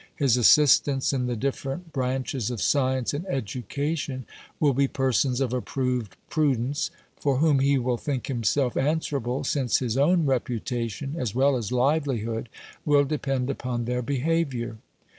His assistants, in the different branches of science and education, will be persons of approved prudence, for whom he will think himself answerable, since his own reputation, as well as livelihood, will depend upon their behaviour.